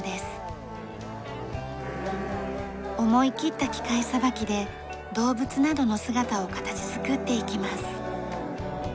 思い切った機械さばきで動物などの姿を形作っていきます。